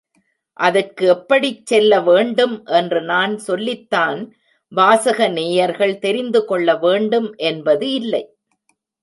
அதற்கு எப்படிச் செல்ல வேண்டும் என்று நான் சொல்லித்தான் வாசக நேயர்கள் தெரிந்துகொள்ள வேண்டும் என்பது இல்லை.